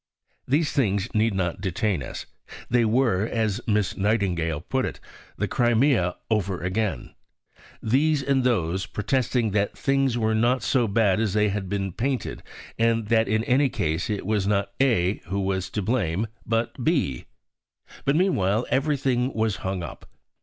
These things need not detain us. They were, as Miss Nightingale put it, "the Crimea over again," "these and those" protesting that things were not so bad as they had been painted, and that in any case it was not A who was to blame, but B. But meanwhile everything was hung up.